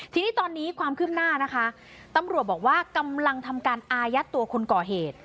ทีนี้ตอนนี้ความคืบหน้านะคะตำรวจบอกว่ากำลังทำการอายัดตัวคนก่อเหตุ